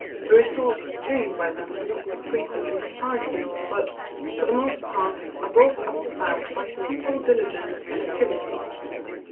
_ The results attained by them are not unfrequently surprising, but, for the most part, are brought about by simple diligence and activity.